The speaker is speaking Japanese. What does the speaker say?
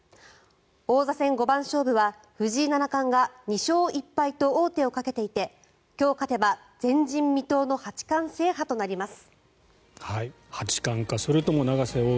王座戦五番勝負は藤井七冠が２勝１敗と王手をかけていて今日、勝てば前人未到の八冠制覇となります。